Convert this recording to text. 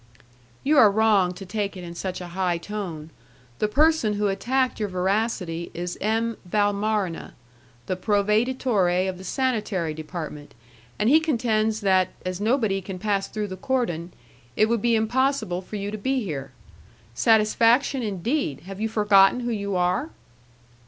"You are wrong to take it in such a high tone. The person who attacked your veracity is M. Valmarana, the proveditore of the sanitary department, and he contends that, as nobody can pass through the cordon, it would be impossible for you to be here. Satisfaction, indeed! Have you forgotten who you are?"